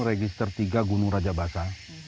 register tiga gunung rajabasa